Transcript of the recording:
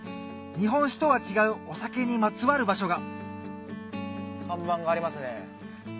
日本酒とは違うお酒にまつわる場所が看板がありますね。